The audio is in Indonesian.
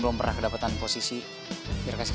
udah draw combak yuk